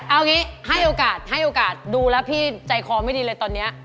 เอางี้ให้โอกาสให้โอกาสดูแล้วพี่ใจคอไม่ดีเลยตอนนี้